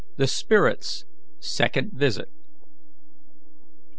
THE SPIRIT'S SECOND VISIT.